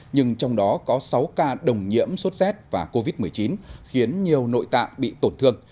nhưng trong đó có sáu ca đồng nhiễm sốt z và covid một mươi chín khiến nhiều nội tạng bị tổn thương